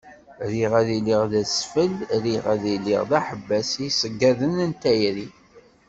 Riɣ ad iliɣ d asfel riɣ ad iliɣ d aḥebbas i yiṣeggaden n tayri.